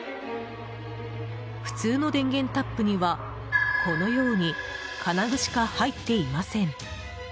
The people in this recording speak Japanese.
普通の電源タップにはこのように金具しか入っていません。